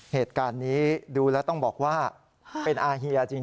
เหตุการณ์นี้ดูแล้วต้องบอกว่าเป็นอาเฮียจริง